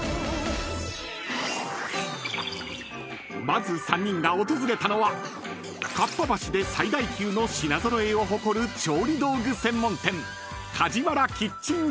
［まず３人が訪れたのはかっぱ橋で最大級の品揃えを誇る調理道具専門店］